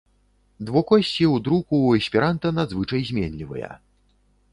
Двукоссі ў друку ў эсперанта надзвычай зменлівыя.